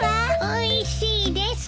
おいしいです。